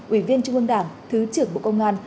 ủy viên trung ương đảng thứ trưởng bộ công an